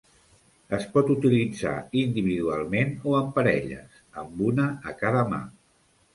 Es pot utilitzar individualment o en parelles, amb una a cada mà.